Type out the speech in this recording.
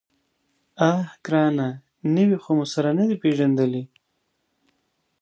_اه ګرانه! نوي خو مو نه دي سره پېژندلي.